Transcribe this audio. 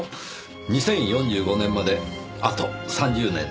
２０４５年まであと３０年ですか。